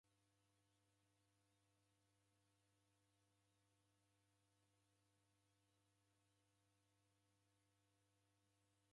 Vichuku, mbari na viteto va W'adaw'ida vew'aghika na mighondi.